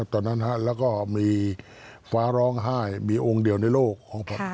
ตอนนั้นแล้วก็มีฟ้าร้องไห้มีองค์เดียวในโลกของผม